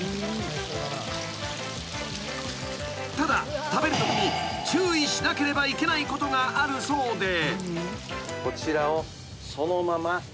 ［ただ食べるときに注意しなければいけないことがあるそうで］